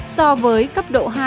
so với cấp độ hai